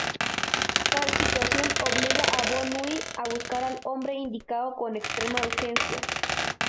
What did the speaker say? Tal situación obliga a Bo Nui a buscar al hombre indicado con extrema urgencia.